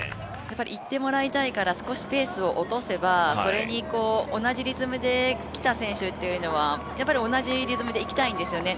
行ってもらいたいから少しペースを落とせばそれに同じリズムできた選手っていうのは同じリズムで行きたいんですよね